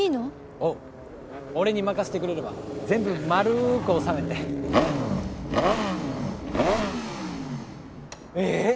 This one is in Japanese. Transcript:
おう俺に任せてくれれば全部丸く収めて・・えっ？